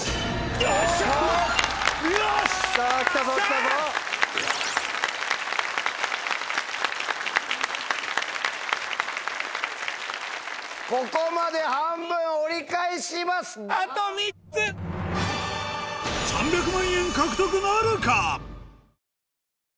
ここまで。